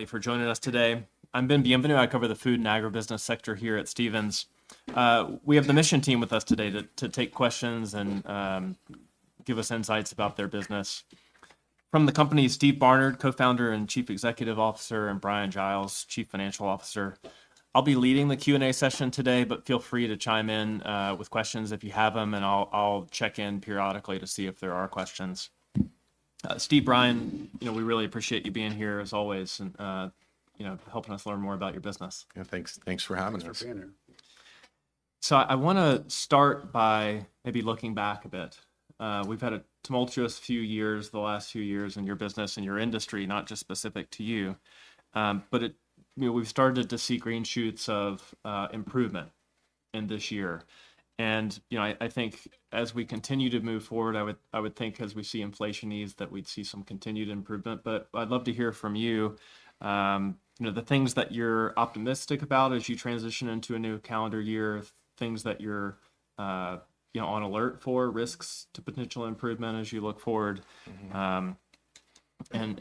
Thank you for joining us today. I'm Ben Bienvenu. I cover the food and agribusiness sector here at Stephens. We have the Mission team with us today to take questions and give us insights about their business. From the company is Steve Barnard, Co-founder and Chief Executive Officer, and Bryan Giles, Chief Financial Officer. I'll be leading the Q&A session today, but feel free to chime in with questions if you have them, and I'll check in periodically to see if there are questions. Steve, Bryan, you know, we really appreciate you being here, as always, and you know, helping us learn more about your business. Yeah, thanks, thanks for having us. Thanks for being here. So I wanna start by maybe looking back a bit. We've had a tumultuous few years, the last few years in your business and your industry, not just specific to you. But you know, we've started to see green shoots of improvement in this year. And, you know, I, I think as we continue to move forward, I would, I would think as we see inflation ease, that we'd see some continued improvement. But I'd love to hear from you, you know, the things that you're optimistic about as you transition into a new calendar year, things that you're, you know, on alert for, risks to potential improvement as you look forward- Mm-hmm...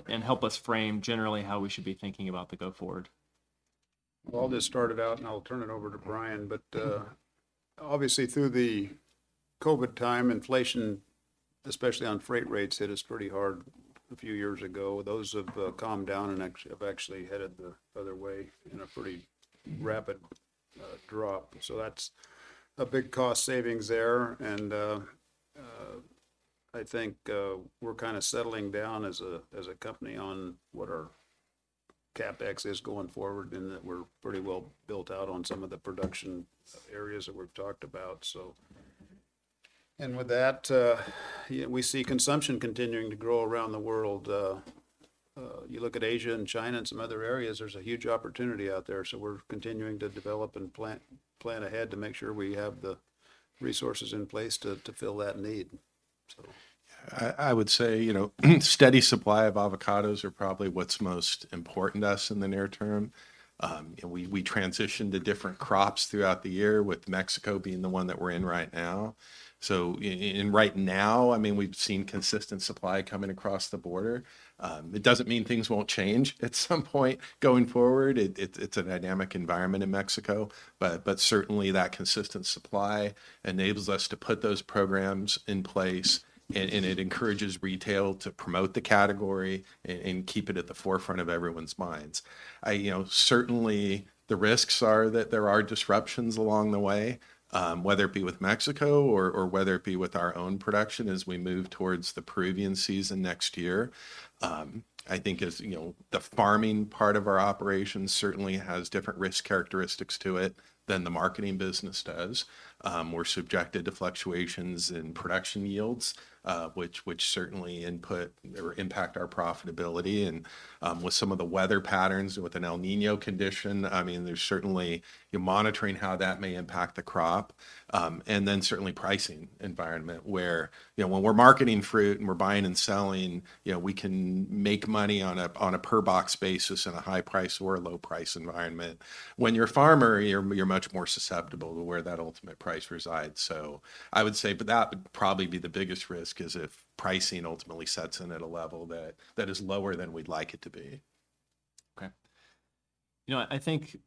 and help us frame generally how we should be thinking about the go forward. Well, I'll just start it out, and I'll turn it over to Bryan. Mm-hmm. But, obviously, through the COVID time, inflation, especially on freight rates, hit us pretty hard a few years ago. Those have calmed down and actually have actually headed the other way in a pretty rapid drop. So that's a big cost savings there. And, I think, we're kind of settling down as a company on what our CapEx is going forward, and that we're pretty well built out on some of the production areas that we've talked about, so... And with that, yeah, we see consumption continuing to grow around the world. You look at Asia and China and some other areas, there's a huge opportunity out there, so we're continuing to develop and plan ahead to make sure we have the resources in place to fill that need. So... I would say, you know, steady supply of avocados are probably what's most important to us in the near term. We transition to different crops throughout the year, with Mexico being the one that we're in right now. So and right now, I mean, we've seen consistent supply coming across the border. It doesn't mean things won't change at some point going forward. It's a dynamic environment in Mexico, but certainly that consistent supply enables us to put those programs in place, and it encourages retail to promote the category and keep it at the forefront of everyone's minds. You know, certainly, the risks are that there are disruptions along the way, whether it be with Mexico or whether it be with our own production as we move towards the Peruvian season next year. I think as you know, the farming part of our operation certainly has different risk characteristics to it than the marketing business does. We're subjected to fluctuations in production yields, which certainly input or impact our profitability. And with some of the weather patterns, with an El Niño condition, I mean, there's certainly... You're monitoring how that may impact the crop. And then certainly pricing environment, where, you know, when we're marketing fruit, and we're buying and selling, you know, we can make money on a per-box basis in a high-price or a low-price environment. When you're a farmer, you're much more susceptible to where that ultimate price resides. So I would say, but that would probably be the biggest risk, is if pricing ultimately sets in at a level that is lower than we'd like it to be. Okay. You know, I think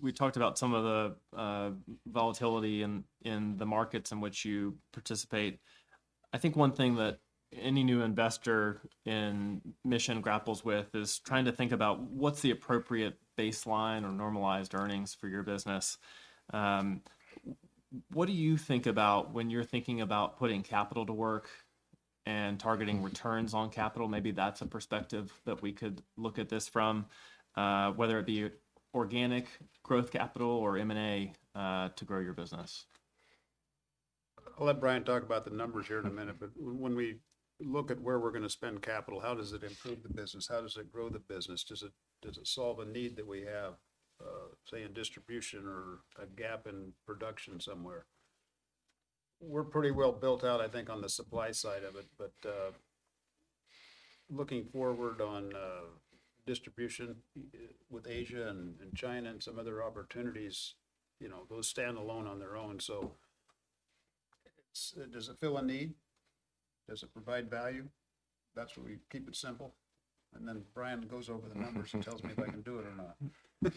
we talked about some of the volatility in the markets in which you participate. I think one thing that any new investor in Mission grapples with is trying to think about what's the appropriate baseline or normalized earnings for your business. What do you think about when you're thinking about putting capital to work and targeting returns on capital? Maybe that's a perspective that we could look at this from, whether it be organic growth capital or M&A, to grow your business. I'll let Bryan talk about the numbers here in a minute. Mm-hmm. But when we look at where we're gonna spend capital, how does it improve the business? How does it grow the business? Does it solve a need that we have, say, in distribution or a gap in production somewhere? We're pretty well built out, I think, on the supply side of it, but looking forward on distribution with Asia and China and some other opportunities, you know, those stand alone on their own. So it's, does it fill a need? Does it provide value? That's where we keep it simple, and then Bryan goes over the numbers... and tells me if I can do it or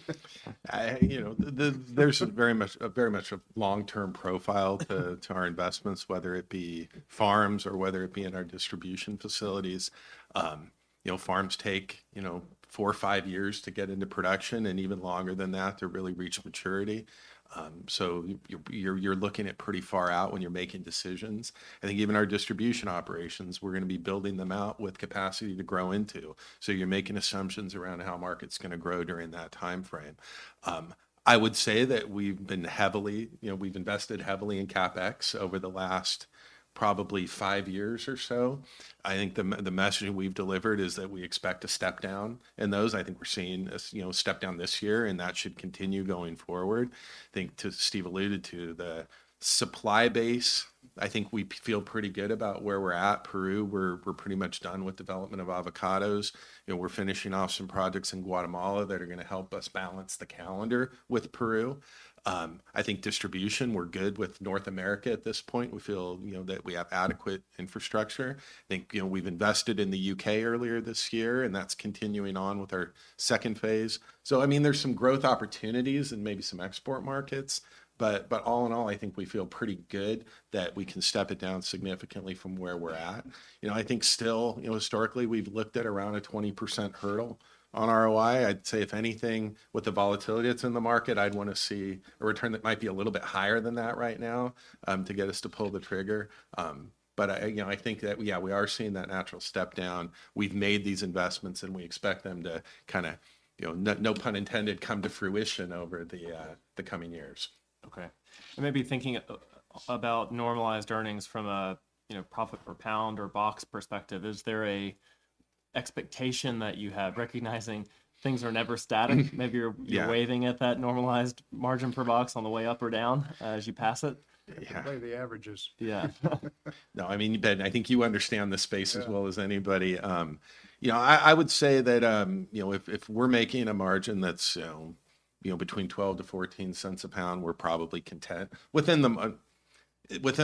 not. You know, there's very much a long-term profile to our investments, whether it be farms or whether it be in our distribution facilities. You know, farms take, you know, four or five years to get into production and even longer than that to really reach maturity. So you're looking at pretty far out when you're making decisions. I think even our distribution operations, we're gonna be building them out with capacity to grow into, so you're making assumptions around how a market's gonna grow during that timeframe. You know, we've invested heavily in CapEx over the last probably five years or so. I think the message we've delivered is that we expect to step down, and those, I think we're seeing a, you know, step down this year, and that should continue going forward. I think, too, Steve alluded to the supply base, I think we feel pretty good about where we're at. Peru, we're pretty much done with development of avocados. You know, we're finishing off some projects in Guatemala that are gonna help us balance the calendar with Peru. I think distribution, we're good with North America at this point. We feel, you know, that we have adequate infrastructure. I think, you know, we've invested in the U.K. earlier this year, and that's continuing on with our second phase. So I mean, there's some growth opportunities and maybe some export markets, but, but all in all, I think we feel pretty good that we can step it down significantly from where we're at. You know, I think still, you know, historically, we've looked at around a 20% hurdle on ROI. I'd say if anything, with the volatility that's in the market, I'd wanna see a return that might be a little bit higher than that right now, to get us to pull the trigger. But I, you know, I think that, yeah, we are seeing that natural step down. We've made these investments, and we expect them to kind of, you know, no, no pun intended, come to fruition over the, the coming years. Okay. And maybe thinking about normalized earnings from a, you know, profit per pound or box perspective, is there a expectation that you have, recognizing things are never static? Yeah. Maybe you're waving at that normalized margin per box on the way up or down as you pass it? Yeah. Play the averages. Yeah. No, I mean, Ben, I think you understand the space- Yeah... as well as anybody. You know, I would say that, you know, if we're making a margin that's, you know, between $0.12-$0.14 a pound, we're probably content. Within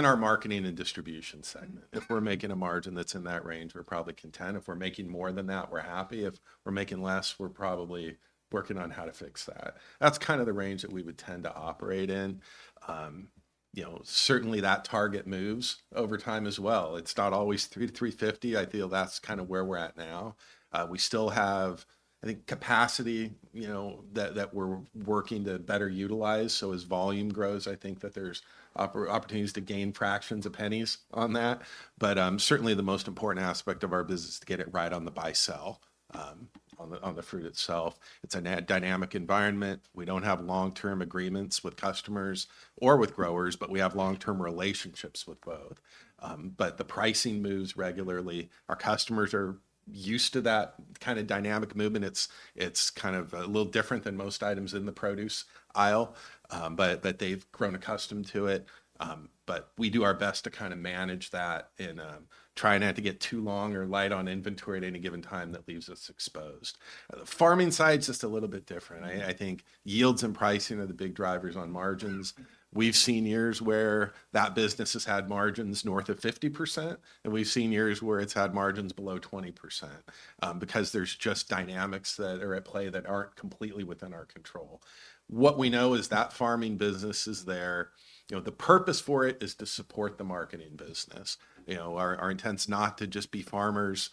our marketing and distribution segment- Mm... if we're making a margin that's in that range, we're probably content. If we're making more than that, we're happy. If we're making less, we're probably working on how to fix that. That's kind of the range that we would tend to operate in. You know, certainly, that target moves over time as well. It's not always 3-3.50. I feel that's kind of where we're at now. We still have, I think, capacity, you know, that we're working to better utilize, so as volume grows, I think that there's opportunities to gain fractions of pennies on that. But, certainly, the most important aspect of our business is to get it right on the buy, sell, on the fruit itself. It's a dynamic environment. We don't have long-term agreements with customers or with growers, but we have long-term relationships with both. But the pricing moves regularly. Our customers are used to that kind of dynamic movement. It's kind of a little different than most items in the produce aisle, but they've grown accustomed to it. But we do our best to kind of manage that and try not to get too long or light on inventory at any given time that leaves us exposed. The farming side's just a little bit different. Mm-hmm. I think yields and pricing are the big drivers on margins. We've seen years where that business has had margins north of 50%, and we've seen years where it's had margins below 20%, because there's just dynamics that are at play that aren't completely within our control. What we know is that farming business is there. You know, the purpose for it is to support the marketing business. You know, our intent's not to just be farmers,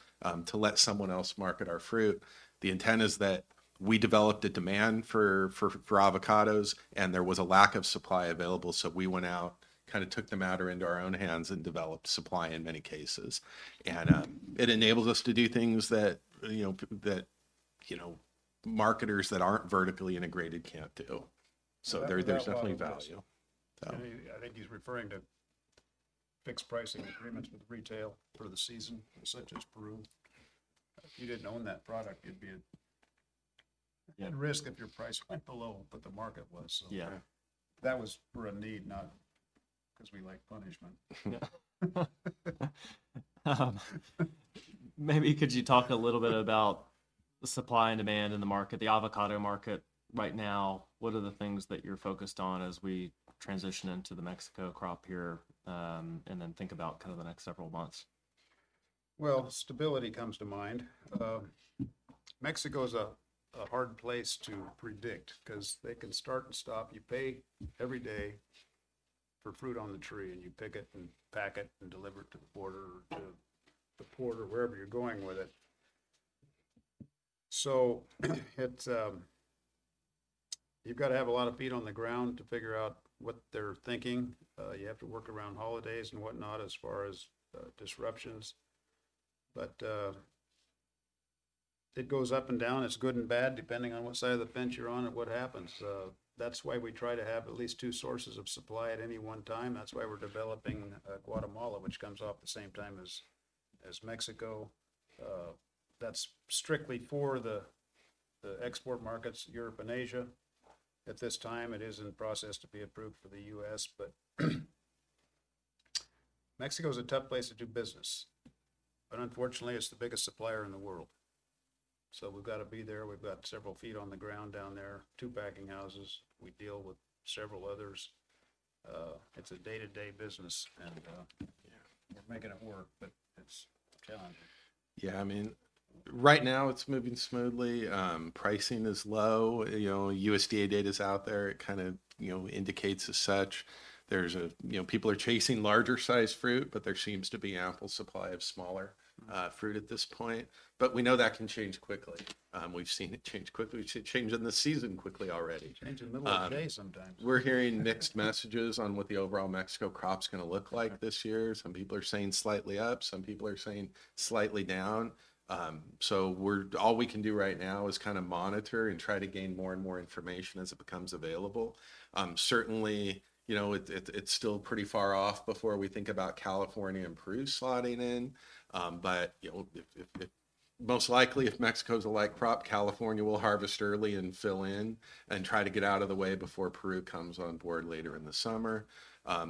to let someone else market our fruit. The intent is that we developed a demand for avocados, and there was a lack of supply available, so we went out, kind of took the matter into our own hands and developed supply in many cases. It enables us to do things that, you know, marketers that aren't vertically integrated can't do. There, there's definitely value. I think he's referring to fixed pricing agreements with retail for the season, such as Peru. If you didn't own that product, you'd be at- Yeah... at risk if your price went below what the market was. Yeah. Yeah. That was for a need, not 'cause we like punishment. Maybe could you talk a little bit about the supply and demand in the market, the avocado market right now? What are the things that you're focused on as we transition into the Mexico crop year, and then think about kind of the next several months? Well, stability comes to mind. Mexico is a hard place to predict 'cause they can start and stop. You pay every day for fruit on the tree, and you pick it and pack it, and deliver it to the border, to the port or wherever you're going with it. So it's, you've gotta have a lot of feet on the ground to figure out what they're thinking. You have to work around holidays and whatnot, as far as disruptions, but it goes up and down. It's good and bad, depending on what side of the fence you're on and what happens. That's why we try to have at least two sources of supply at any one time. That's why we're developing Guatemala, which comes off the same time as Mexico. That's strictly for the export markets, Europe and Asia. At this time, it is in the process to be approved for the U.S., but Mexico is a tough place to do business. But unfortunately, it's the biggest supplier in the world, so we've gotta be there. We've got several feet on the ground down there, two packing houses. We deal with several others. It's a day-to-day business, and, yeah, we're making it work, but it's challenging. Yeah, I mean, right now, it's moving smoothly. Pricing is low. You know, USDA data's out there. It kind of, you know, indicates as such. There's a... You know, people are chasing larger-sized fruit, but there seems to be ample supply of smaller fruit at this point. But we know that can change quickly. We've seen it change quickly. We've seen it change in the season quickly already. Change in the middle of the day sometimes. We're hearing mixed messages on what the overall Mexico crop's gonna look like this year. Some people are saying slightly up, some people are saying slightly down. All we can do right now is kind of monitor and try to gain more and more information as it becomes available. Certainly, you know, it's still pretty far off before we think about California and Peru slotting in, but, you know, most likely, if Mexico's a light crop, California will harvest early and fill in, and try to get out of the way before Peru comes on board later in the summer.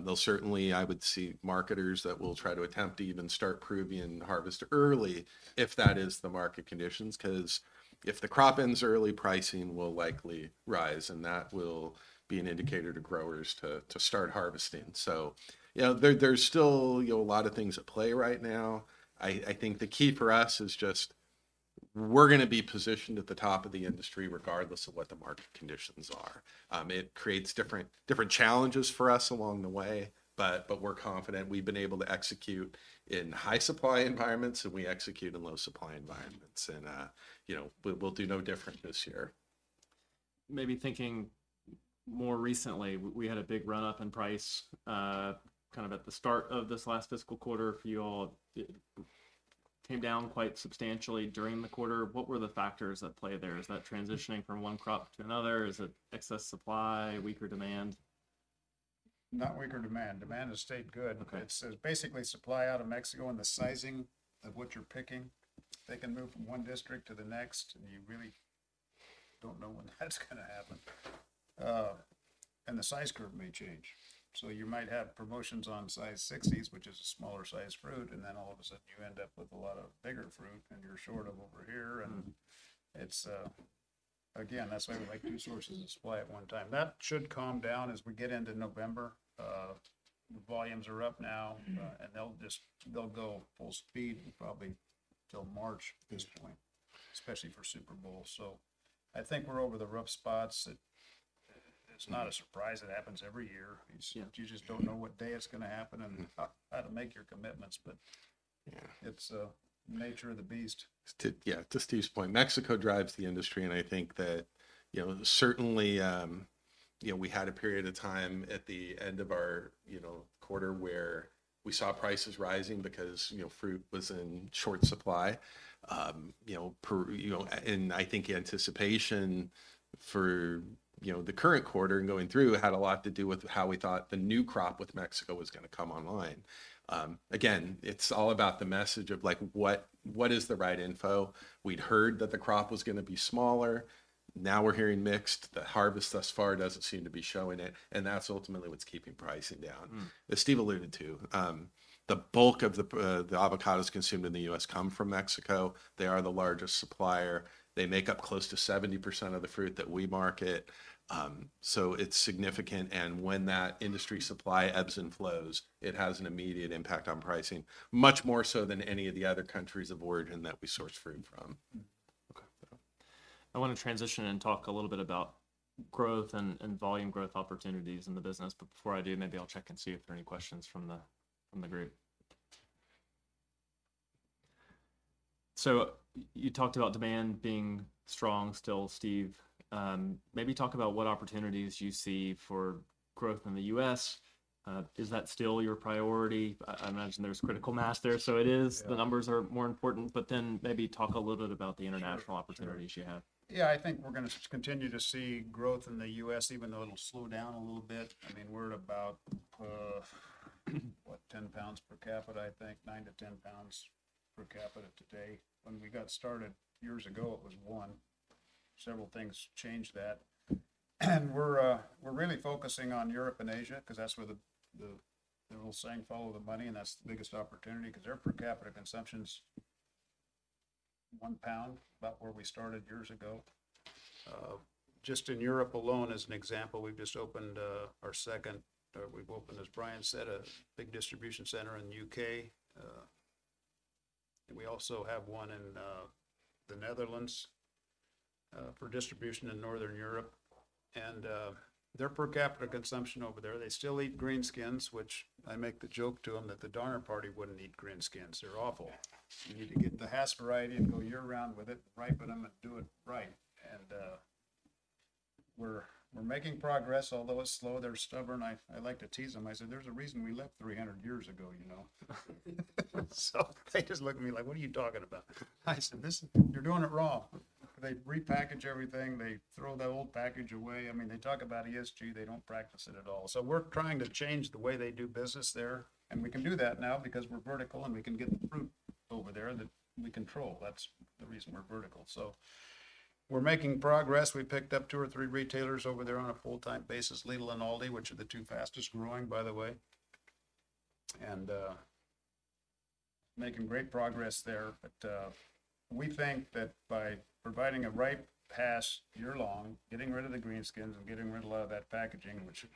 They'll certainly, I would see marketers that will try to attempt to even start Peruvian harvest early, if that is the market conditions, 'cause if the crop ends early, pricing will likely rise, and that will be an indicator to growers to start harvesting. So, you know, there's still, you know, a lot of things at play right now. I think the key for us is just, we're gonna be positioned at the top of the industry, regardless of what the market conditions are. It creates different challenges for us along the way, but we're confident. We've been able to execute in high supply environments, and we execute in low supply environments, and, you know, we'll do no different this year. Maybe thinking more recently, we had a big run-up in price, kind of at the start of this last fiscal quarter for you all. It came down quite substantially during the quarter. What were the factors at play there? Is that transitioning from one crop to another? Is it excess supply, weaker demand? Not weaker demand. Demand has stayed good. Okay. It's basically supply out of Mexico and the sizing of what you're picking. They can move from one district to the next, and you really don't know when that's gonna happen. And the size curve may change. So you might have promotions on size 60s, which is a smaller size fruit, and then all of a sudden you end up with a lot of bigger fruit, and you're short over here- Mm. -and it's... Again, that's why we like two sources of supply at one time. That should calm down as we get into November. The volumes are up now- Mm... and they'll just, they'll go full speed probably till March at this point, especially for Super Bowl. So I think we're over the rough spots. It's not a surprise. It happens every year. Yeah. You just don't know what day it's gonna happen and- Mm... how to make your commitments, but- Yeah... it's nature of the beast. Yeah, to Steve's point, Mexico drives the industry, and I think that, you know, certainly, you know, we had a period of time at the end of our, you know, quarter where we saw prices rising because, you know, fruit was in short supply. You know, Peru, you know, and I think anticipation for, you know, the current quarter and going through had a lot to do with how we thought the new crop with Mexico was gonna come online. Again, it's all about the message of like, what, what is the right info? We'd heard that the crop was gonna be smaller. Now we're hearing mixed. The harvest thus far doesn't seem to be showing it, and that's ultimately what's keeping pricing down. Mm. As Steve alluded to, the bulk of the avocados consumed in the US come from Mexico. They are the largest supplier. They make up close to 70% of the fruit that we market. So it's significant, and when that industry supply ebbs and flows, it has an immediate impact on pricing, much more so than any of the other countries of origin that we source fruit from. Okay. I wanna transition and talk a little bit about growth and volume growth opportunities in the business, but before I do, maybe I'll check and see if there are any questions from the group. So you talked about demand being strong still, Steve. Maybe talk about what opportunities you see for growth in the U.S. Is that still your priority? I imagine there's critical mass there, so it is. Yeah. The numbers are more important, but then maybe talk a little bit about the international- Sure... opportunities you have. Yeah, I think we're gonna continue to see growth in the U.S., even though it'll slow down a little bit. I mean, we're at about, what? 10 pounds per capita, I think, 9-10 pounds per capita today. When we got started years ago, it was 1. Several things changed that. And we're really focusing on Europe and Asia, 'cause that's where the old saying, "Follow the money," and that's the biggest opportunity, 'cause their per capita consumption's 1 pound, about where we started years ago. Just in Europe alone, as an example, we've just opened our second, we've opened, as Bryan said, a big distribution center in the U.K. And we also have one in the Netherlands for distribution in Northern Europe. Their per capita consumption over there, they still eat green skins, which I make the joke to them that the Donner Party wouldn't eat green skins. They're awful. We need to get the Hass variety and go year-round with it, ripen them, and do it right. We're making progress, although it's slow. They're stubborn. I like to tease them. I said, "There's a reason we left 300 years ago, you know?" So they just looked at me like: What are you talking about? I said, "This-- You're doing it wrong." They repackage everything. They throw the old package away. I mean, they talk about ESG, they don't practice it at all. So we're trying to change the way they do business there, and we can do that now because we're vertical, and we can get the fruit over there that we control. That's the reason we're vertical. So we're making progress. We picked up two or three retailers over there on a full-time basis, Lidl and Aldi, which are the two fastest growing, by the way, and making great progress there. But we think that by providing a ripe pass year-long, getting rid of the green skins, and getting rid of a lot of that packaging, which would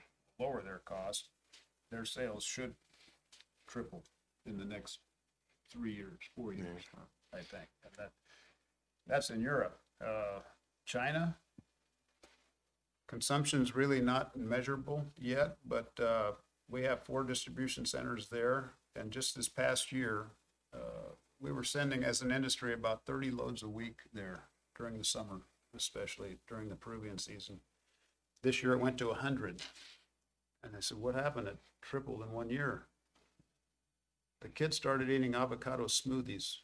lower their cost, their sales should triple in the next three years, four years- Yeah... I think. And that, that's in Europe. China, consumption's really not measurable yet, but, we have four distribution centers there. And just this past year, we were sending, as an industry, about 30 loads a week there during the summer, especially during the Peruvian season. This year it went to 100, and I said: What happened? It tripled in one year. The kids started eating avocado smoothies,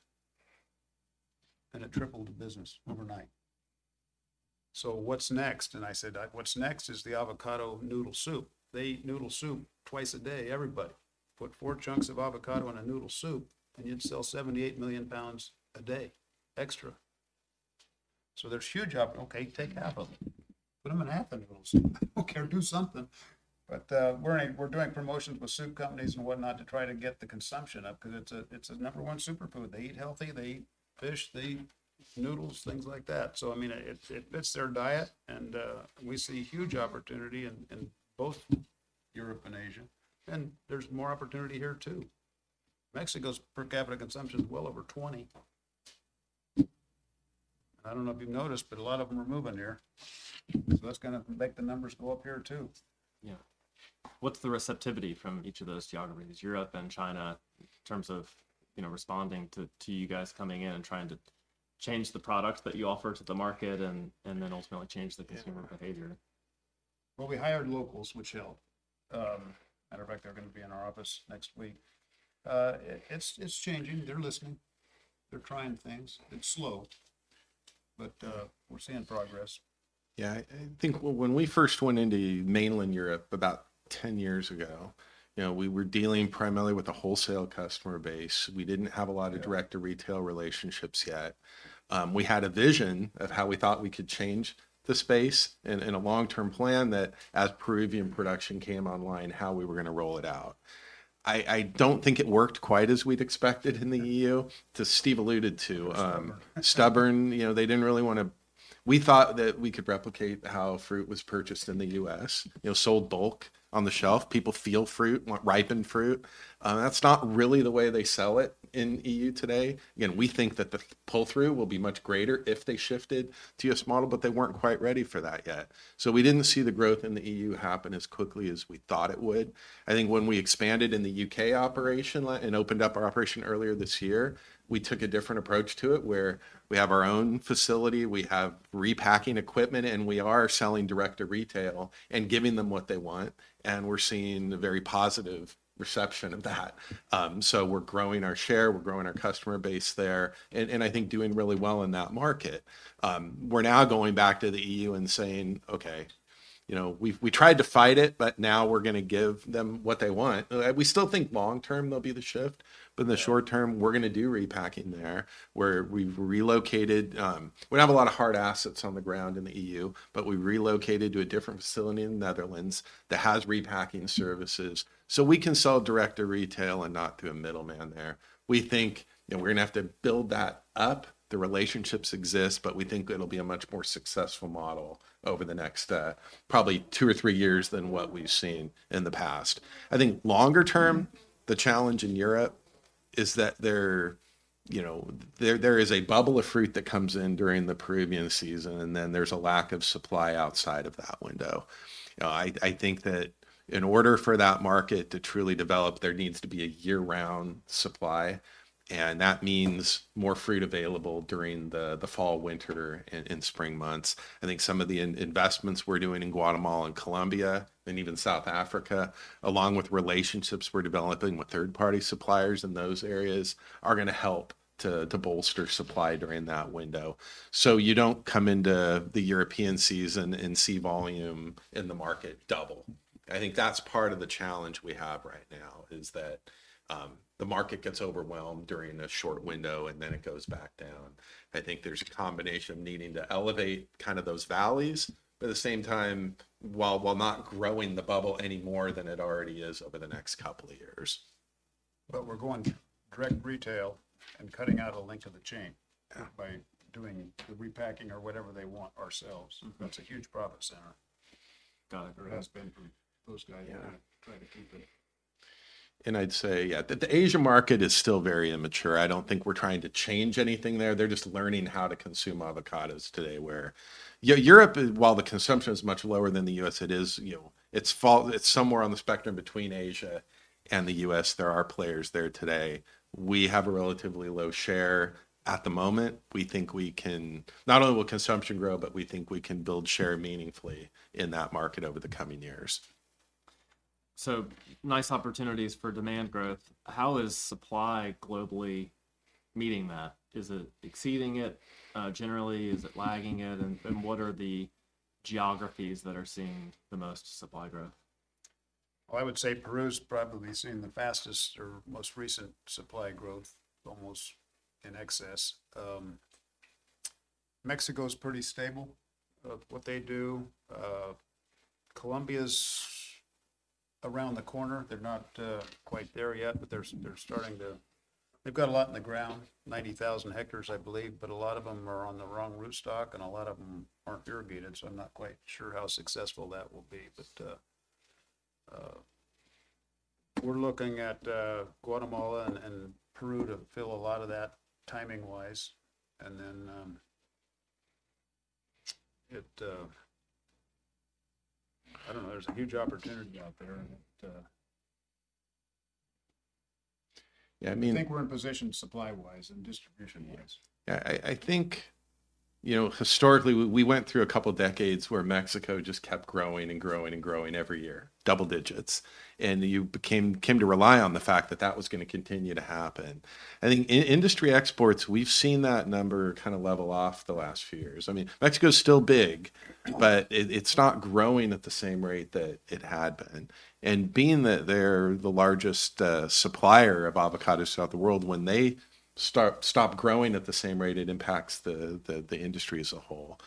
and it tripled the business overnight.... So what's next? And I said, "What's next is the avocado noodle soup." They eat noodle soup twice a day, everybody. Put four chunks of avocado in a noodle soup, and you'd sell 78 million pounds a day extra. So there's huge opportunity. Okay, take half of it. Put them in half the noodles. I don't care, do something. But, we're doing promotions with soup companies and whatnot to try to get the consumption up, 'cause it's a number one superfood. They eat healthy, they eat fish, they eat noodles, things like that. So I mean, it fits their diet, and we see huge opportunity in both Europe and Asia, and there's more opportunity here, too. Mexico's per capita consumption is well over 20. I don't know if you've noticed, but a lot of them are moving here, so that's gonna make the numbers go up here, too. Yeah. What's the receptivity from each of those geographies, Europe and China, in terms of, you know, responding to, to you guys coming in and trying to change the products that you offer to the market and, and then ultimately change the consumer behavior? Well, we hired locals, which helped. Matter of fact, they're gonna be in our office next week. It's changing. They're listening. They're trying things. It's slow, but we're seeing progress. Yeah, I think when we first went into mainland Europe about 10 years ago, you know, we were dealing primarily with the wholesale customer base. We didn't have a lot of- Yeah... direct-to-retail relationships yet. We had a vision of how we thought we could change the space and a long-term plan that as Peruvian production came online, how we were gonna roll it out. I don't think it worked quite as we'd expected in the EU. As Steve alluded to, Stubborn ...stubborn, you know, they didn't really wanna. We thought that we could replicate how fruit was purchased in the U.S., you know, sold bulk on the shelf. People feel fruit, want ripened fruit. That's not really the way they sell it in E.U. today. Again, we think that the pull-through will be much greater if they shifted to U.S. model, but they weren't quite ready for that yet. So we didn't see the growth in the E.U. happen as quickly as we thought it would. I think when we expanded in the U.K. operation and opened up our operation earlier this year, we took a different approach to it, where we have our own facility, we have repacking equipment, and we are selling direct to retail and giving them what they want, and we're seeing a very positive reception of that. So we're growing our share, we're growing our customer base there, and, and I think doing really well in that market. We're now going back to the EU and saying: Okay, you know, we've, we tried to fight it, but now we're gonna give them what they want. We still think long term there'll be the shift- Yeah... but in the short term, we're gonna do repacking there, where we've relocated. We don't have a lot of hard assets on the ground in the EU, but we relocated to a different facility in the Netherlands that has repacking services. So we can sell direct to retail and not through a middleman there. We think, you know, we're gonna have to build that up. The relationships exist, but we think it'll be a much more successful model over the next, probably two or three years than what we've seen in the past. I think longer term, the challenge in Europe is that there, you know, there, there is a bubble of fruit that comes in during the Peruvian season, and then there's a lack of supply outside of that window. You know, I think that in order for that market to truly develop, there needs to be a year-round supply, and that means more fruit available during the fall, winter, and spring months. I think some of the investments we're doing in Guatemala and Colombia, and even South Africa, along with relationships we're developing with third-party suppliers in those areas, are gonna help to bolster supply during that window. So you don't come into the European season and see volume in the market double. I think that's part of the challenge we have right now, is that the market gets overwhelmed during a short window, and then it goes back down. I think there's a combination of needing to elevate kind of those valleys, but at the same time, while not growing the bubble any more than it already is over the next couple of years. But we're going direct retail and cutting out a link of the chain- Yeah... by doing the repacking or whatever they want ourselves. Mm-hmm. That's a huge profit center. Got it. Or has been for those guys- Yeah... trying to keep it. I'd say, yeah, the Asia market is still very immature. I don't think we're trying to change anything there. They're just learning how to consume avocados today, where... You know, Europe, while the consumption is much lower than the U.S., it is, you know, it's somewhere on the spectrum between Asia and the U.S. There are players there today. We have a relatively low share at the moment. We think we can. Not only will consumption grow, but we think we can build share meaningfully in that market over the coming years. So nice opportunities for demand growth. How is supply globally meeting that? Is it exceeding it, generally? Is it lagging it? And what are the geographies that are seeing the most supply growth? Well, I would say Peru’s probably seeing the fastest or most recent supply growth, almost in excess. Mexico is pretty stable of what they do. Colombia’s around the corner. They’re not quite there yet, but they’re starting to... They’ve got a lot in the ground, 90,000 hectares, I believe, but a lot of them are on the wrong rootstock, and a lot of them aren’t irrigated, so I’m not quite sure how successful that will be. But we’re looking at Guatemala and Peru to fill a lot of that timing-wise, and then it... I don’t know. There’s a huge opportunity out there, and yeah, I think we’re in position supply-wise and distribution-wise. Yeah, I think, you know, historically, we went through a couple decades where Mexico just kept growing and growing and growing every year, double digits. And you came to rely on the fact that that was gonna continue to happen. I think industry exports, we've seen that number kind of level off the last few years. I mean, Mexico's still big, but it's not growing at the same rate that it had been. And being that they're the largest supplier of avocados throughout the world, when they stop growing at the same rate, it impacts the industry as a whole.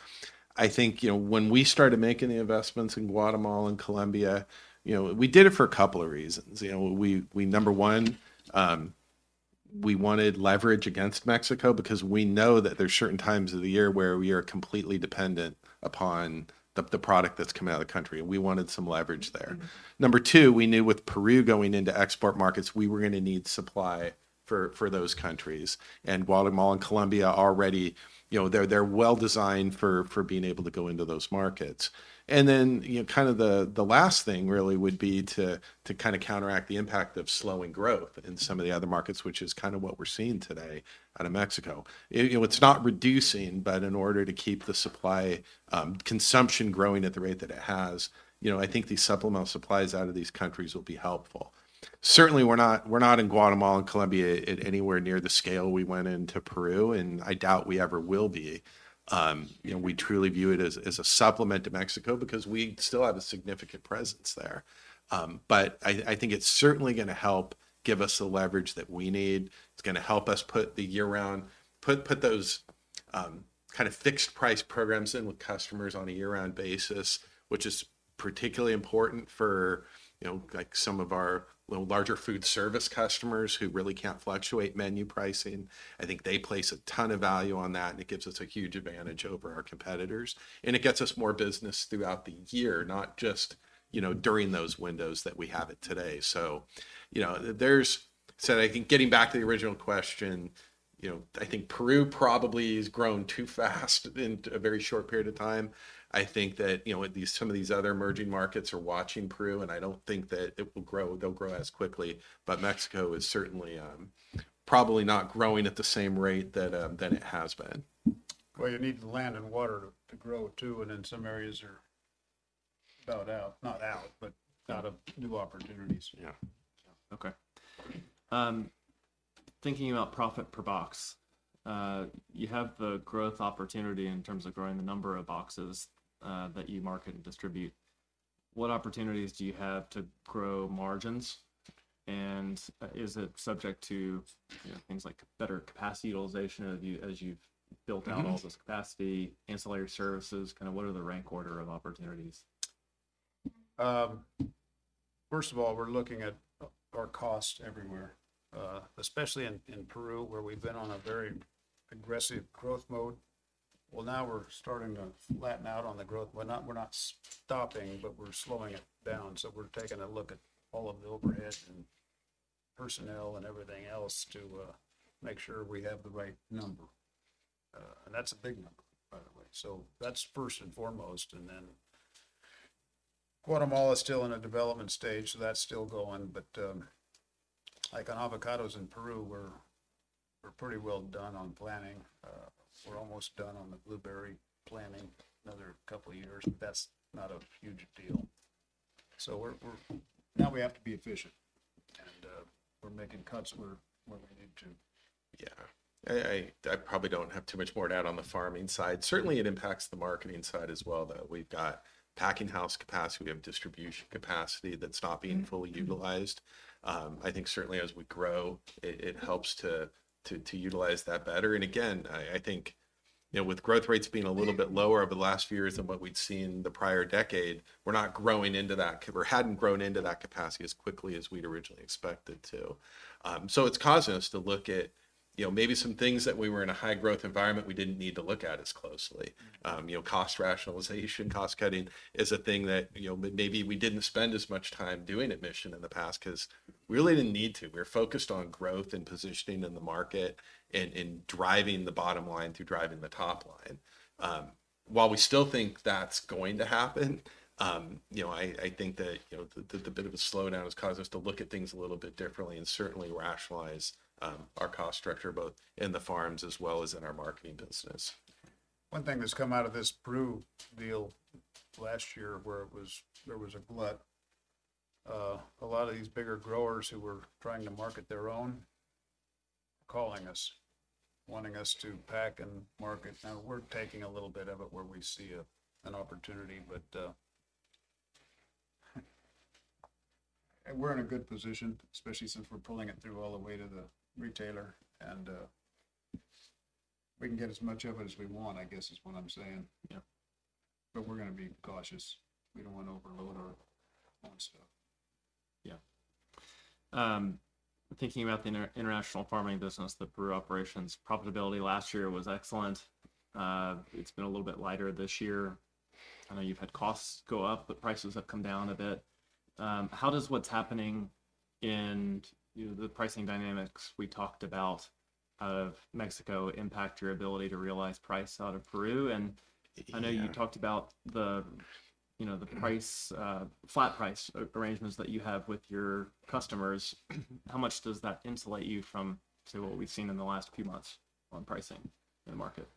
I think, you know, when we started making the investments in Guatemala and Colombia, you know, we did it for a couple of reasons. You know, number one, we wanted leverage against Mexico because we know that there's certain times of the year where we are completely dependent upon the product that's coming out of the country, and we wanted some leverage there. Mm-hmm. Number two, we knew with Peru going into export markets, we were gonna need supply for those countries. And Guatemala and Colombia already... You know, they're well-designed for being able to go into those markets. And then, you know, kind of the last thing really would be to kind of counteract the impact of slowing growth in some of the other markets, which is kind of what we're seeing today out of Mexico. You know, it's not reducing, but in order to keep the supply, consumption growing at the rate that it has, you know, I think these supplemental supplies out of these countries will be helpful. Certainly, we're not in Guatemala and Colombia at anywhere near the scale we went into Peru, and I doubt we ever will be. You know, we truly view it as a supplement to Mexico because we still have a significant presence there. But I, I think it's certainly gonna help give us the leverage that we need. It's gonna help us put those kind of fixed price programs in with customers on a year-round basis, which is particularly important for, you know, like some of our little larger food service customers who really can't fluctuate menu pricing. I think they place a ton of value on that, and it gives us a huge advantage over our competitors, and it gets us more business throughout the year, not just, you know, during those windows that we have it today. So, you know, there's... I think getting back to the original question, you know, I think Peru probably has grown too fast in a very short period of time. I think that, you know, with these, some of these other emerging markets are watching Peru, and I don't think that it will grow—they'll grow as quickly. Mexico is certainly probably not growing at the same rate that that it has been. Well, you need the land and water to grow, too, and in some areas are about out. Not out, but out of new opportunities. Yeah. Okay. Thinking about profit per box, you have the growth opportunity in terms of growing the number of boxes that you market and distribute. What opportunities do you have to grow margins? And, is it subject to, you know, things like better capacity utilization as you, as you've built out- Mm-hmm... all this capacity, ancillary services? Kind of, what are the rank order of opportunities? First of all, we're looking at our costs everywhere, especially in Peru, where we've been on a very aggressive growth mode. Well, now we're starting to flatten out on the growth. We're not stopping, but we're slowing it down. So we're taking a look at all of the overhead and personnel and everything else to make sure we have the right number. And that's a big number, by the way. So that's first and foremost, and then Guatemala is still in a development stage, so that's still going. But, like on avocados in Peru, we're pretty well done on planning. We're almost done on the blueberry planning. Another couple of years, that's not a huge deal. So we're... Now we have to be efficient, and we're making cuts where we need to. Yeah. I probably don't have too much more to add on the farming side. Certainly, it impacts the marketing side as well, though. We've got packing house capacity, we have distribution capacity that's not being- Mm... fully utilized. I think certainly as we grow, it helps to utilize that better. And again, I think, you know, with growth rates being a little bit lower over the last few years than what we'd seen in the prior decade, we're not growing into that, or hadn't grown into that capacity as quickly as we'd originally expected to. So it's causing us to look at, you know, maybe some things that when we were in a high growth environment we didn't need to look at as closely. Mm. You know, cost rationalization, cost cutting is a thing that, you know, maybe we didn't spend as much time doing at Mission in the past 'cause we really didn't need to. We were focused on growth and positioning in the market, and driving the bottom line through driving the top line. While we still think that's going to happen, you know, I think that, you know, the bit of a slowdown has caused us to look at things a little bit differently and certainly rationalize our cost structure, both in the farms as well as in our marketing business. One thing that's come out of this Peru deal last year, where there was a glut, a lot of these bigger growers who were trying to market their own, calling us, wanting us to pack and market. Now, we're taking a little bit of it where we see an opportunity, but, and we're in a good position, especially since we're pulling it through all the way to the retailer, and, we can get as much of it as we want, I guess, is what I'm saying. Yeah. But we're gonna be cautious. We don't want to overload our own stuff. Yeah. Thinking about the international farming business, the Peru operations, profitability last year was excellent. It's been a little bit lighter this year. I know you've had costs go up, but prices have come down a bit. How does what's happening in, you know, the pricing dynamics we talked about-... out of Mexico impact your ability to realize price out of Peru? And- Yeah... I know you talked about the, you know, the flat price arrangements that you have with your customers. How much does that insulate you from to what we've seen in the last few months on pricing in the market?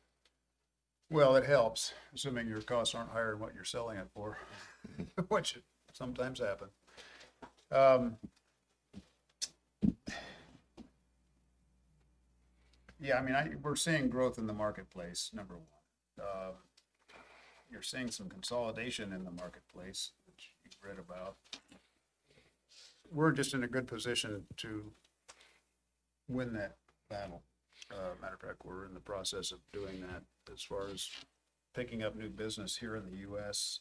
Well, it helps, assuming your costs aren't higher than what you're selling it for, which sometimes happen. Yeah, I mean, we're seeing growth in the marketplace, number one. You're seeing some consolidation in the marketplace, which you've read about. We're just in a good position to win that battle. Matter of fact, we're in the process of doing that. As far as picking up new business here in the U.S.,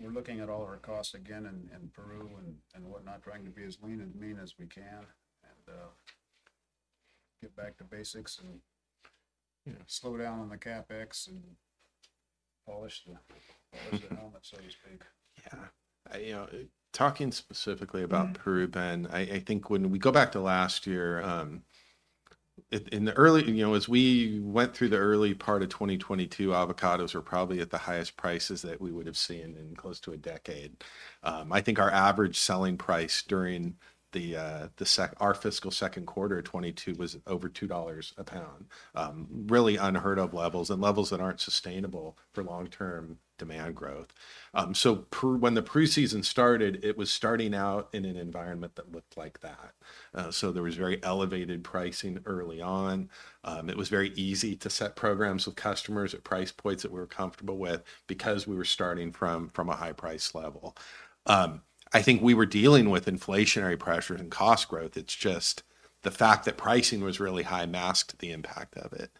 we're looking at all of our costs again in, in Peru and, and whatnot, trying to be as lean and mean as we can, and get back to basics and- Yeah... slow down on the CapEx and polish the helmet, so to speak. Yeah. You know, talking specifically- Mm... about Peru, Ben. I think when we go back to last year, in the early—you know, as we went through the early part of 2022, avocados were probably at the highest prices that we would have seen in close to a decade. I think our average selling price during our fiscal second quarter of 2022 was over $2 a pound. Really unheard of levels, and levels that aren't sustainable for long-term demand growth. So Peru, when the preseason started, it was starting out in an environment that looked like that. So there was very elevated pricing early on. It was very easy to set programs with customers at price points that we were comfortable with because we were starting from a high price level. I think we were dealing with inflationary pressures and cost growth. It's just the fact that pricing was really high masked the impact of it.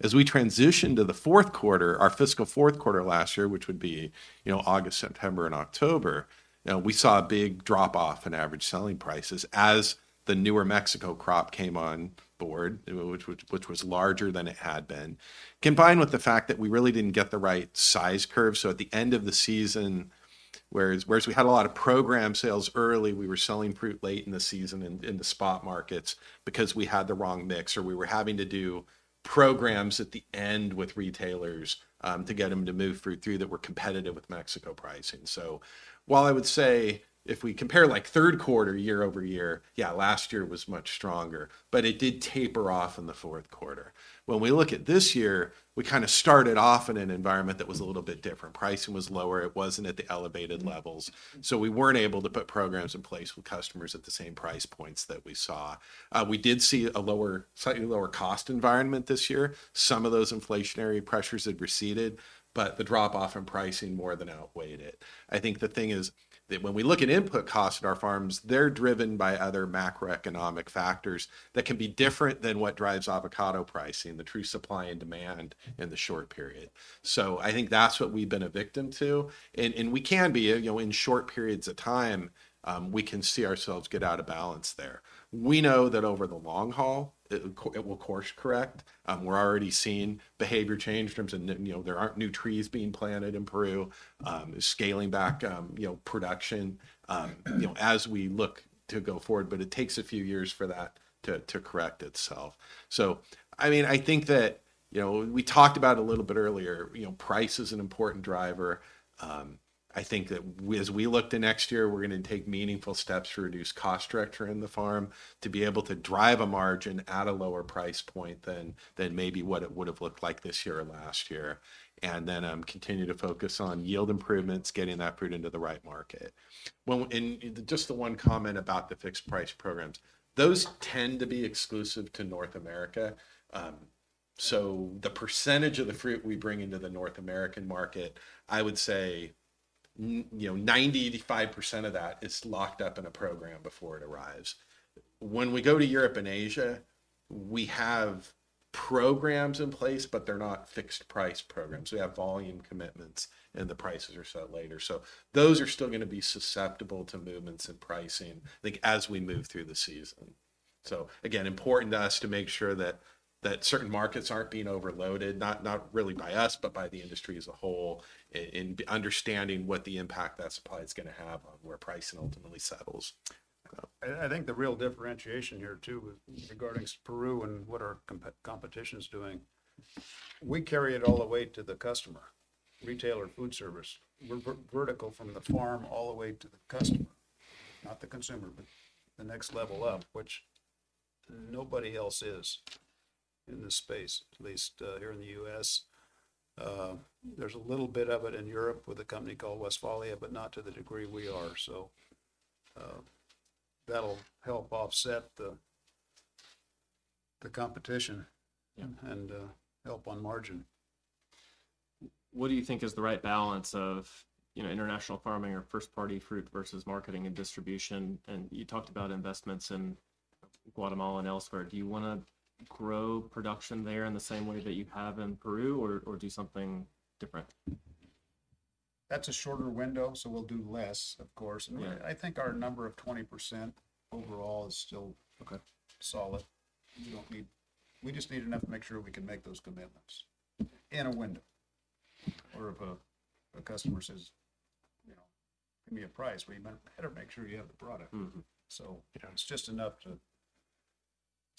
As we transitioned to the fourth quarter, our fiscal fourth quarter last year, which would be, you know, August, September, and October, you know, we saw a big drop-off in average selling prices as the newer Mexico crop came on board, which was larger than it had been. Combined with the fact that we really didn't get the right size curve, so at the end of the season, whereas, whereas we had a lot of program sales early, we were selling fruit late in the season in, in the spot markets because we had the wrong mix, or we were having to do programs at the end with retailers, to get them to move fruit through that were competitive with Mexico pricing. So while I would say if we compare like third quarter, year-over-year, yeah, last year was much stronger, but it did taper off in the fourth quarter. When we look at this year, we kinda started off in an environment that was a little bit different. Pricing was lower, it wasn't at the elevated levels- Mm.... so we weren't able to put programs in place with customers at the same price points that we saw. We did see a lower, slightly lower cost environment this year. Some of those inflationary pressures had receded, but the drop-off in pricing more than outweighed it. I think the thing is that when we look at input costs at our farms, they're driven by other macroeconomic factors that can be different than what drives avocado pricing, the true supply and demand in the short period. So I think that's what we've been a victim to, and, and we can be, you know, in short periods of time, we can see ourselves get out of balance there. We know that over the long haul, it, it will course correct. We're already seeing behavior change in terms of you know, there aren't new trees being planted in Peru, scaling back, you know, production, you know, as we look to go forward, but it takes a few years for that to correct itself. So I mean, I think that, you know, we talked about it a little bit earlier, you know, price is an important driver. I think that as we look to next year, we're gonna take meaningful steps to reduce cost structure in the farm, to be able to drive a margin at a lower price point than maybe what it would've looked like this year or last year. And then, continue to focus on yield improvements, getting that product into the right market. Well, just the one comment about the fixed price programs, those tend to be exclusive to North America. So the percentage of the fruit we bring into the North American market, I would say you know, 90%-85% of that is locked up in a program before it arrives. When we go to Europe and Asia, we have programs in place, but they're not fixed-price programs. We have volume commitments, and the prices are set later. So those are still gonna be susceptible to movements in pricing, I think, as we move through the season. So again, important to us to make sure that certain markets aren't being overloaded, not really by us, but by the industry as a whole, and understanding what the impact that supply is gonna have on where pricing ultimately settles. I think the real differentiation here, too, with regarding Peru and what our competition is doing, we carry it all the way to the customer, retailer, food service. We're vertical from the farm all the way to the customer, not the consumer, but the next level up, which nobody else is in this space, at least here in the U.S. There's a little bit of it in Europe with a company called Westfalia, but not to the degree we are. So, that'll help offset the competition- Yeah... and, help on margin. What do you think is the right balance of, you know, international farming or first-party fruit versus marketing and distribution? You talked about investments in Guatemala and elsewhere. Do you wanna grow production there in the same way that you have in Peru or do something different? That's a shorter window, so we'll do less, of course. Yeah. I think our number of 20% overall is still- Okay... solid. We just need enough to make sure we can make those commitments in a window. Or if a customer says, "Give me a price. Well, you better make sure you have the product. Mm-hmm. You know, it's just enough. It's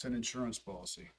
an insurance policy.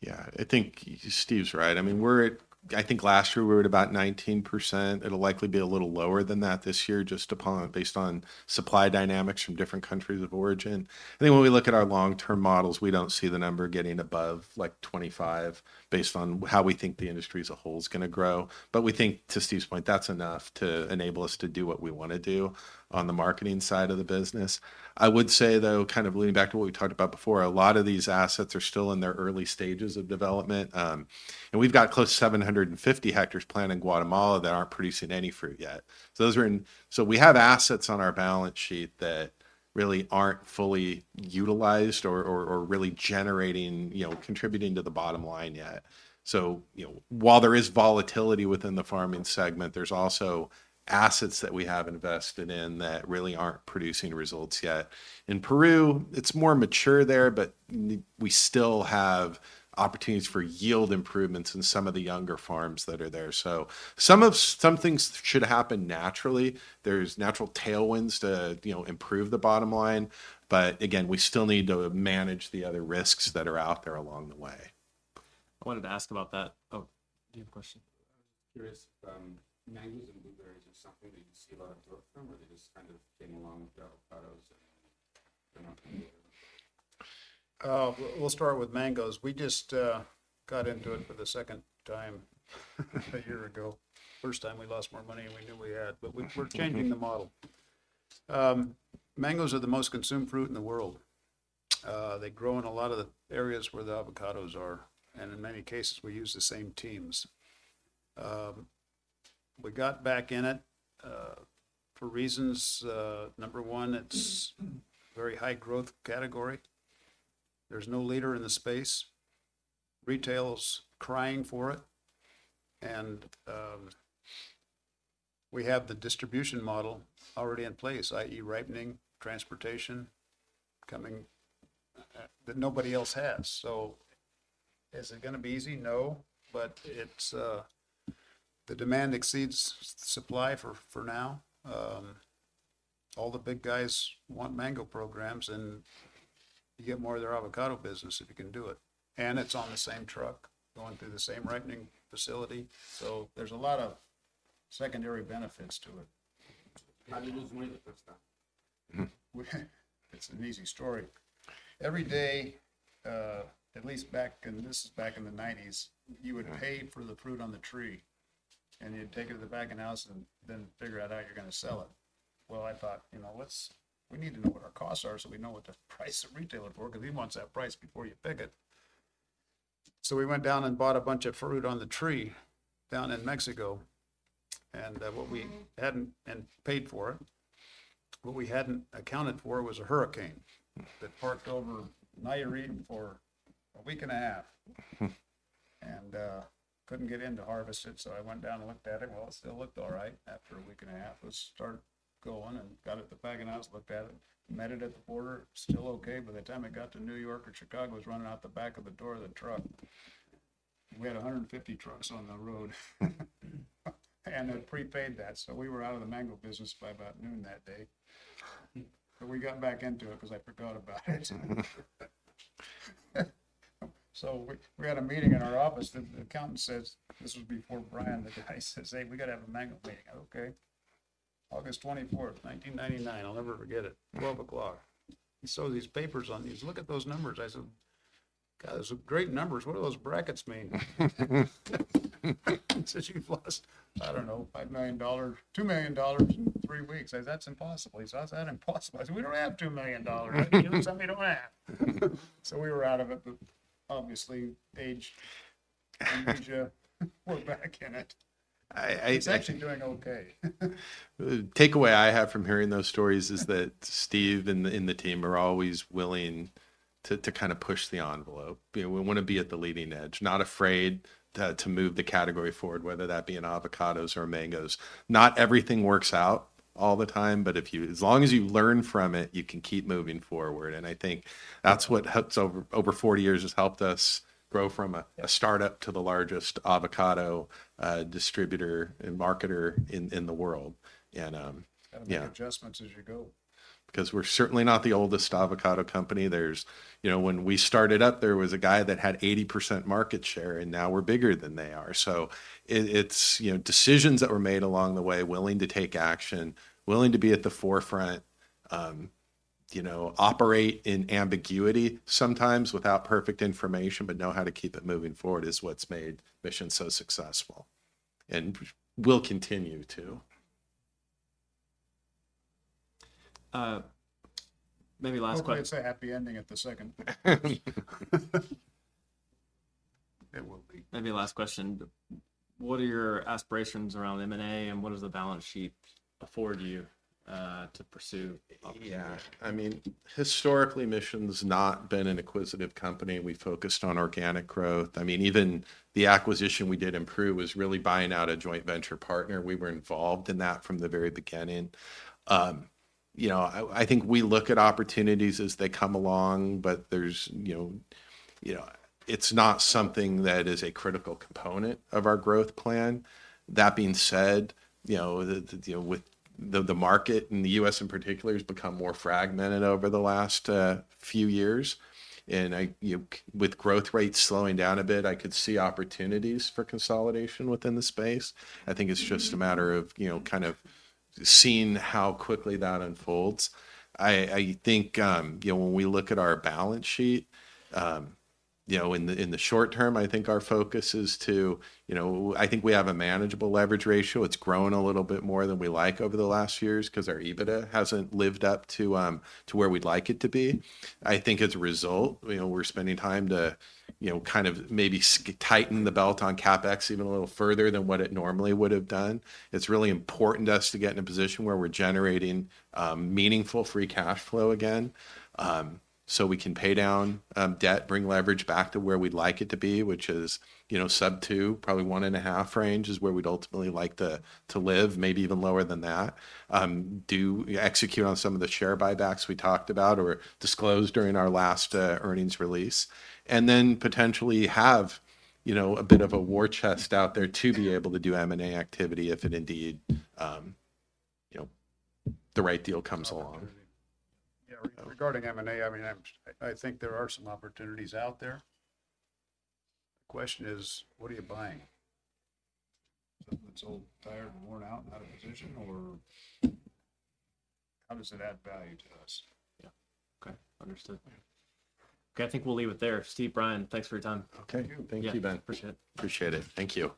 Yeah, I think Steve's right. I mean, we're at. I think last year we were at about 19%. It'll likely be a little lower than that this year, just based on supply dynamics from different countries of origin. I think when we look at our long-term models, we don't see the number getting above, like, 25, based on how we think the industry as a whole is gonna grow. But we think, to Steve's point, that's enough to enable us to do what we want to do on the marketing side of the business. I would say, though, kind of leaning back to what we talked about before, a lot of these assets are still in their early stages of development. And we've got close to 750 hectares planted in Guatemala that aren't producing any fruit yet. So we have assets on our balance sheet that really aren't fully utilized or really generating, you know, contributing to the bottom line yet. So, you know, while there is volatility within the farming segment, there's also assets that we have invested in that really aren't producing results yet. In Peru, it's more mature there, but we still have opportunities for yield improvements in some of the younger farms that are there. So some things should happen naturally. There's natural tailwinds to, you know, improve the bottom line, but again, we still need to manage the other risks that are out there along the way. I wanted to ask about that. Oh, do you have a question? I was just curious, mangoes and blueberries are something that you see a lot of growth from, or they just kind of came along with the avocados and they're not related? We'll start with mangoes. We just got into it for the second time, a year ago. First time we lost more money than we knew we had, but we- Mm-hmm.... we're changing the model. Mangoes are the most consumed fruit in the world. They grow in a lot of the areas where the avocados are, and in many cases, we use the same teams. We got back in it, for reasons, number one, it's very high growth category. There's no leader in the space. Retail's crying for it. We have the distribution model already in place, i.e., ripening, transportation, coming, that nobody else has. So is it gonna be easy? No, but it's the demand exceeds supply for now. All the big guys want mango programs, and you get more of their avocado business if you can do it. It's on the same truck, going through the same ripening facility, so there's a lot of secondary benefits to it. How did you lose money the first time? It's an easy story. Every day, at least back in—this is back in the 1990s—you would pay for the fruit on the tree, and you'd take it to the packing house and then figure out how you're gonna sell it. Well, I thought, you know, let's—we need to know what our costs are, so we know what the price of retailer for, 'cause he wants that price before you pick it. So we went down and bought a bunch of fruit on the tree down in Mexico, and paid for it. What we hadn't accounted for was a hurricane- Mm ...that parked over Nayarit for a week and a half. And couldn't get in to harvest it, so I went down and looked at it. Well, it still looked all right after a week and a half. Let's start going, and got it to the packing house, looked at it, met it at the border, still okay. By the time it got to New York or Chicago, it was running out the back of the door of the truck. We had 150 trucks on the road, and had prepaid that, so we were out of the mango business by about noon that day. But we got back into it 'cause I forgot about it. So we had a meeting in our office. The accountant says... This was before Bryan. The guy says: "Hey, we gotta have a mango meeting." "Okay." August 24th, 1999, I'll never forget it, 12 o'clock. He saw these papers on these. "Look at those numbers." I said, "God, those are great numbers. What do those brackets mean?" He says, "You've lost, I don't know, $5 million, $2 million in three weeks." I said, "That's impossible." He says, "How's that impossible?" I said, "We don't have $2 million, you knew something was wrong." So we were out of it, but obviously, age and nature, we're back in it. I, I- It's actually doing okay.... The takeaway I have from hearing those stories is that Steve and the team are always willing to kind of push the envelope. You know, we wanna be at the leading edge, not afraid to move the category forward, whether that be in avocados or mangoes. Not everything works out all the time, but if you as long as you learn from it, you can keep moving forward. And I think that's what helps over 40 years, has helped us grow from a startup to the largest avocado distributor and marketer in the world. And, yeah- Gotta make adjustments as you go. 'Cause we're certainly not the oldest avocado company. You know, when we started up, there was a guy that had 80% market share, and now we're bigger than they are. So it's, you know, decisions that were made along the way, willing to take action, willing to be at the forefront, you know, operate in ambiguity, sometimes without perfect information, but know how to keep it moving forward is what's made Mission so successful, and will continue to. Maybe last question- Hopefully, it's a happy ending at the second. It will be. Maybe last question: What are your aspirations around M&A, and what does the balance sheet afford you to pursue? Yeah. I mean, historically, Mission's not been an acquisitive company. We focused on organic growth. I mean, even the acquisition we did in Peru was really buying out a joint venture partner. We were involved in that from the very beginning. You know, I think we look at opportunities as they come along, but there's, you know... It's not something that is a critical component of our growth plan. That being said, you know, the deal with the market, and the U.S. in particular, has become more fragmented over the last few years. And with growth rates slowing down a bit, I could see opportunities for consolidation within the space. I think it's just a matter of, you know, kind of seeing how quickly that unfolds. I think, you know, when we look at our balance sheet, you know, in the short term, I think our focus is to, you know. I think we have a manageable leverage ratio. It's grown a little bit more than we like over the last years because our EBITDA hasn't lived up to, to where we'd like it to be. I think as a result, you know, we're spending time to, you know, kind of maybe tighten the belt on CapEx even a little further than what it normally would have done. It's really important to us to get in a position where we're generating meaningful free cash flow again, so we can pay down debt, bring leverage back to where we'd like it to be, which is, you know, sub 2, probably 1.5 range, is where we'd ultimately like to live, maybe even lower than that. Execute on some of the share buybacks we talked about or disclosed during our last earnings release, and then potentially have, you know, a bit of a war chest out there to be able to do M&A activity if it indeed, you know, the right deal comes along. Opportunity. Yeah, regarding M&A, I mean, I think there are some opportunities out there. The question is, what are you buying? Something that's old, tired, and worn out, out of position, or how does it add value to us? Yeah. Okay, understood. Yeah. Okay, I think we'll leave it there. Steve, Bryan, thanks for your time. Okay. Thank you, Ben. Appreciate it. Appreciate it. Thank you.